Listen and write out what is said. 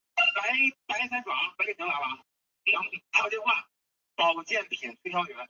肯顿是英格兰伦敦西北部的一个地区。